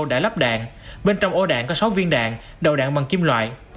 đã lắp đạn bên trong ô đạn có sáu viên đạn đầu đạn bằng kim loại